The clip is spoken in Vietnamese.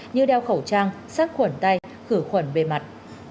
như đeo khẩu trang sát khuẩn tay khử khuẩn bề mặt